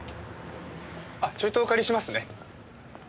あっちょいとお借りしますね。